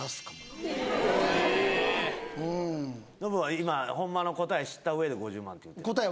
うんノブは今ホンマの答え知った上で５０万って言うた答え